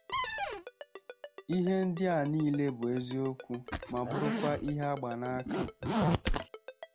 Ihe ndi a niile bụ eziokwu ma bụrụkwa ihe a gba n'aka